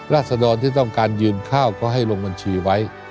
ศดรที่ต้องการยืนข้าวก็ให้ลงบัญชีไว้